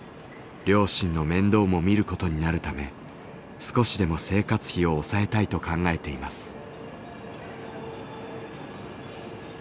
両親の面倒も見ることになるため少しでも生活費を抑えたいと考えています。